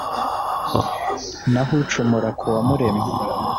naho ucumura ku uwamuremye